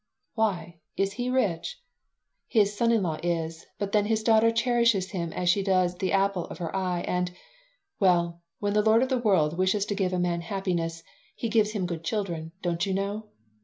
"Why, is he rich?" "His son in law is, but then his daughter cherishes him as she does the apple of her eye, and well, when the Lord of the World wishes to give a man happiness he gives him good children, don't you know."